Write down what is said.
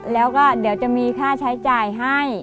แล้วก็เดี๋ยวจะมีค่าใช้จ่ายให้